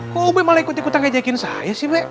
kok kamu malah ikut ikutan ngejekin saya sih bek